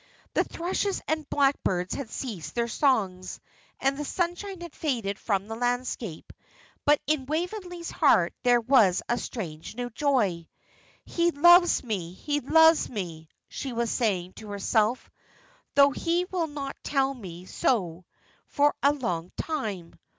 The thrushes and blackbirds had ceased their songs, and the sunshine had faded from the landscape, but in Waveney's heart there was a strange, new joy. "He loves me, he loves me," she was saying to herself, "though he will not tell me so for a long time.